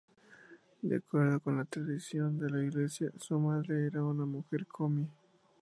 De acuerdo con la tradición de la Iglesia, su madre era una mujer komi.